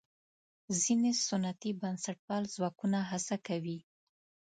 ځینې سنتي بنسټپال ځواکونه هڅه کوي.